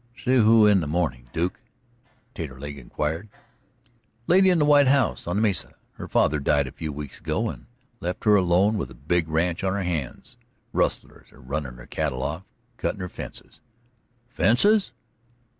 "See who in the morning, Duke?" Taterleg inquired. "Lady in the white house on the mesa. Her father died a few weeks ago, and left her alone with a big ranch on her hands. Rustlers are runnin' her cattle off, cuttin' her fences " "Fences?"